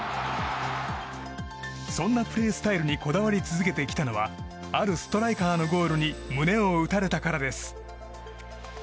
そんなプレースタイルにこだわり続けてきたのはあるストライカーのゴールに胸を打たれたからです。